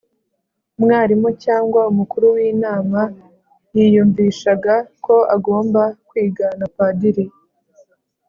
umwalimu cyangwa umukuru w'inama yiyumvishaga ko agomba kwigana padiri